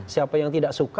siapa yang tidak suka